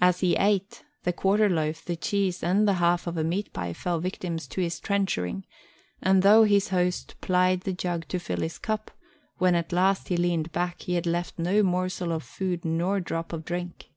As he ate, the quarter loaf, the cheese, and the half of a meat pie fell victims to his trenchering, and though his host plied the jug to fill his cup, when at last he leaned back he had left no morsel of food nor drop of drink.